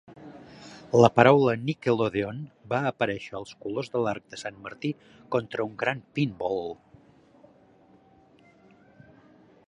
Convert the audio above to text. La paraula "Nickelodeon" va aparèixer als colors de l"arc de Sant Martí contra un gran pinball.